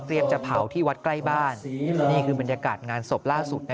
จะเผาที่วัดใกล้บ้านนี่คือบรรยากาศงานศพล่าสุด